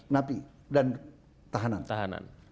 napi dan tahanan